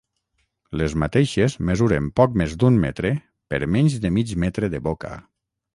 Les mateixes mesuren poc més d'un metre per menys de mig metre de boca.